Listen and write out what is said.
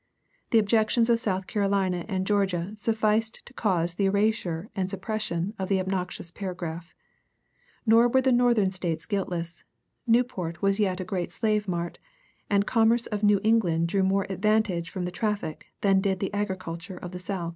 The objections of South Carolina and Georgia sufficed to cause the erasure and suppression of the obnoxious paragraph. Nor were the Northern States guiltless: Newport was yet a great slave mart, and the commerce of New England drew more advantage from the traffic than did the agriculture of the South.